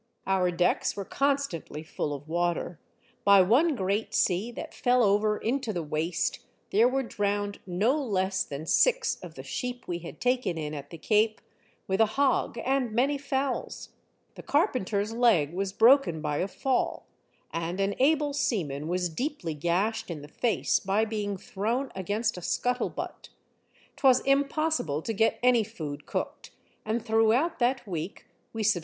Our decks were constantly full of water ; by one great sea that fell over into the waist there were drowned no less than six of the sheep we had taken in at the Cape, with a hog and many fowls; the carpenter's leg was broken by a fall, and an able seaman was deeply gashed in the face by being thrown against a scuttle butt ; 'twas impossible to get any food cooked, and throughout that week we sub I CONVERSE WITH THE SHIPS CARPENTER.